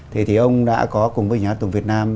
thì thì ông đã có cùng với nhà tùng việt nam